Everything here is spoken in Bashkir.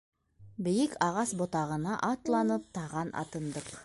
Бейек ағас ботағына атланып, таған атындыҡ.